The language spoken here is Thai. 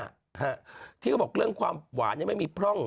ฮะที่เขาบอกเรื่องความหวานยังไม่มีพร่อง